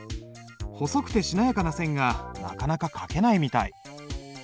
細くてしなやかな線がなかなか書けないみたい。